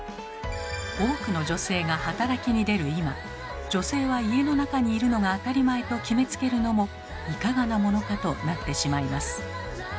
多くの女性が働きに出る今女性は家の中にいるのが当たり前と決めつけるのもいかがなものかとなってしまいます。